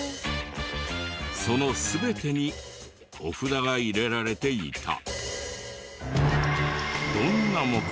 その全てにお札が入れられていた。